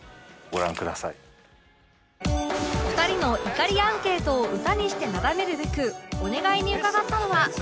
２人の怒りアンケートを歌にしてなだめるべくお願いに伺ったのは